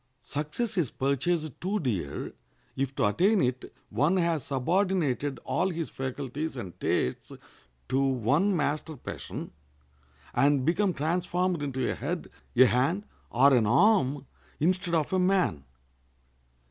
Success is purchased too dear if to attain it one has subordinated all his faculties and tastes to one master passion, and become transformed into a head, a hand, or an arm, instead of a man.